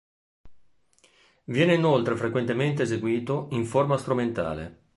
Viene inoltre frequentemente eseguito in forma strumentale.